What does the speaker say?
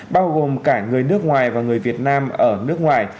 bao gồm cả người nước ngoài và người việt nam ở nước ngoài